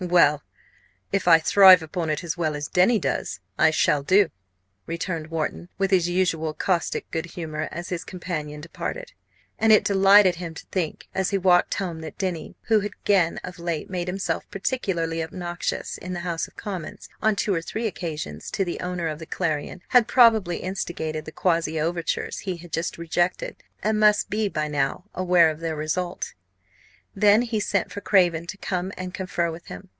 "Well, if I thrive upon it as well as Denny does, I shall do!" returned Wharton, with his usual caustic good humour, as his companion departed. And it delighted him to think as he walked home that Denny, who had again of late made himself particularly obnoxious in the House of Commons, on two or three occasions, to the owner of the Clarion, had probably instigated the quasi overtures he had just rejected, and must be by now aware of their result. Then he sent for Craven to come and confer with him.